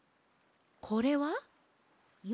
これは？よ